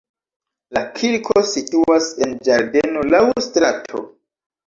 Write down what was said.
La kirko situas en ĝardeno laŭ strato.